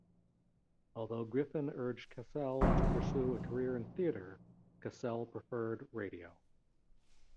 Although Griffith urged Kasell to pursue a career in theatre, Kasell preferred radio.